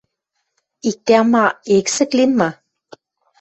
Иктӓ-ма эксӹк лин ма?..